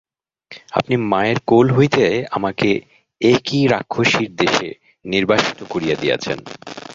আপনি মায়ের কোল হইতে আমাকে এ কী রাক্ষসীর দেশে নির্বাসিত করিয়া দিয়াছেন!